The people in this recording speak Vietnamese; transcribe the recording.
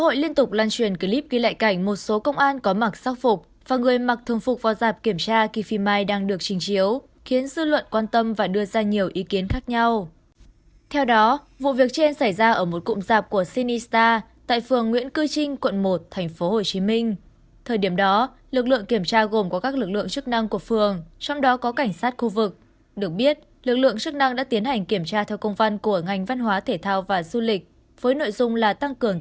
các bạn hãy đăng ký kênh để ủng hộ kênh của chúng mình nhé